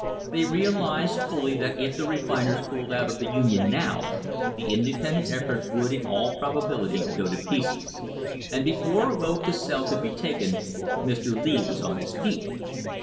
They realised fully that if the refiners pulled out of the Union now, the independent effort would in all proba bility go to pieces, and before a vote to sell could be taken Mr. Lee was on his feet.